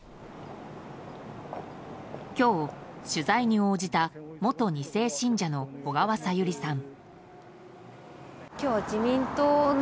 今日、取材に応じた元２世信者の小川さゆりさん。